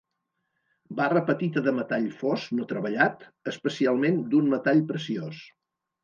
Barra petita de metall fos no treballat, especialment d'un metall preciós.